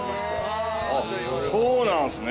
ああそうなんですね。